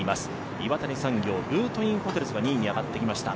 岩谷産業、ルートインホテルズが２位に上がってきました。